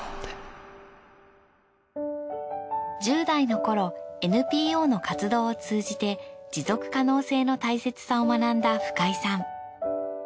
１０代の頃ＮＰＯの活動を通じて持続可能性の大切さを学んだ深井さん。